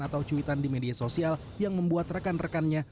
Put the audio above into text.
atau cuitan di media sosial yang membuat rekan rekannya